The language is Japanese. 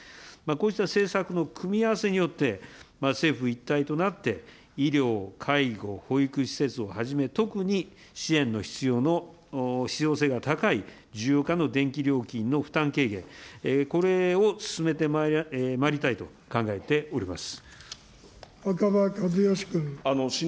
こうした政策の組み合わせによって、政府一体となって医療、介護、保育施設をはじめ、特に支援の必要性が高いじゅようかの電気料金の負担軽減、これを進めてまいりたいと考えております。